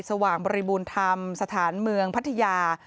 สว่างบริบูรณธรรมสถานเมืองพัทยา